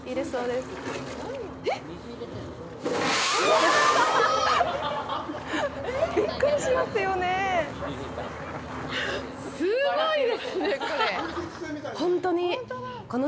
すごいですね、これ。